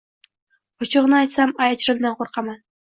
Ochig`ini aytsam ajrimdan qo`rqaman